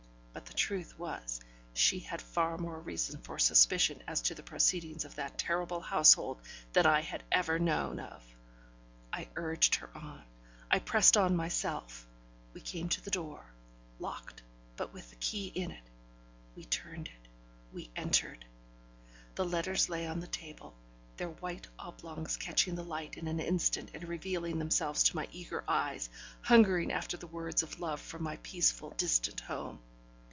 But the truth was, she had far more reason for suspicion as to the proceedings of that terrible household than I had ever known of. I urged her on, I pressed on myself; we came to the door, locked, but with the key in it; we turned it, we entered; the letters lay on the table, their white oblongs catching the light in an instant, and revealing themselves to my eager eyes, hungering after the words of love from my peaceful, distant home.